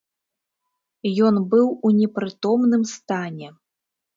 Ён быў у непрытомным стане.